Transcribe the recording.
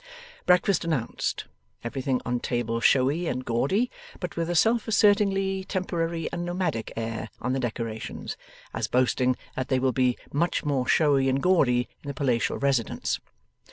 Breakfast announced. Everything on table showy and gaudy, but with a self assertingly temporary and nomadic air on the decorations, as boasting that they will be much more showy and gaudy in the palatial residence.